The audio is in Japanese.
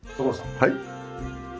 はい？